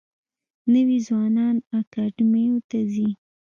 نوي ځوانان اکاډمیو ته ځي.